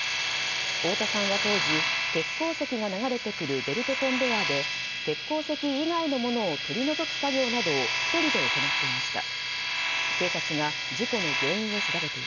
太田さんは当時鉄鉱石が流れてくるベルトコンベヤーで鉄鉱石以外のものを取り除く作業などを１人で行っていました。